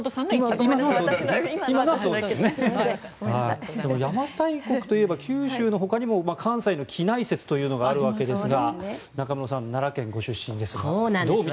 この邪馬台国といえば九州のほかに関西の畿内説というのがあるわけですが中室さん、奈良県ご出身ですがどう見ていますか？